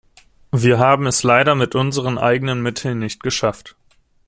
Wir haben es leider mit unseren eigenen Mitteln nicht geschafft.